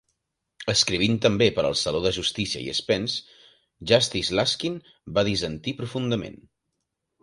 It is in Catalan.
Escrivint també per al Saló de Justícia i Spence, Justice Laskin va dissentir profundament.